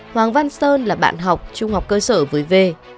hoàng văn sơn là bạn học trung học cơ sở với v